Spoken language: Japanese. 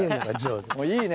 いいね。